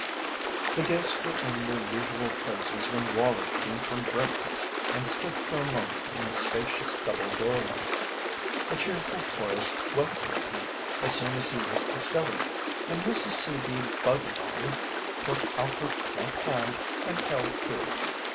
The guests were in their usual places when Wallie came from breakfast and stood for a moment in the spacious double doorway. A cheerful chorus welcomed him as soon as he was discovered, and Mrs. C. D. Budlong put out her plump hand and held his.